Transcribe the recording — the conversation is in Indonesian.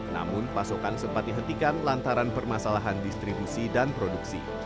namun pasokan sempat dihentikan lantaran permasalahan distribusi dan produksi